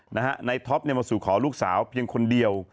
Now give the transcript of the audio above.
นายท็อปมาสู่ขอลูกสาวเพียงคนเดียว